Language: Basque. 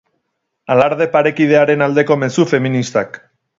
Alarde parekidearen aldeko mezu feministak.